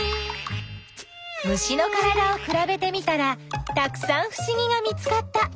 虫のからだをくらべてみたらたくさんふしぎが見つかった。